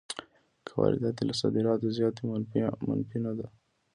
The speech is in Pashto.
که واردات یې له صادراتو زیات وي منفي ده